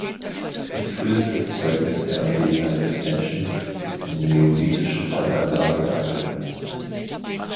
Als frühestes Zeugnis der Anwesenheit des Menschen ist eine neolithische Wallanlage erhalten.